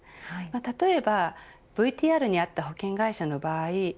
例えばＶＴＲにあった保険会社の場合